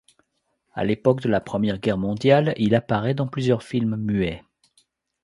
À l'époque de la Première Guerre mondiale il apparait dans plusieurs films muets.